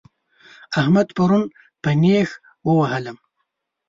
احمد پرون په نېښ ووهلم